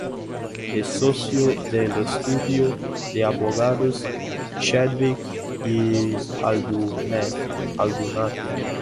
Es socio del estudio de abogados "Chadwick y Aldunate".